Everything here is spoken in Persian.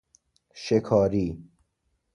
شکاری